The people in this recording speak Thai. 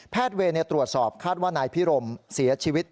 เวย์ตรวจสอบคาดว่านายพิรมเสียชีวิต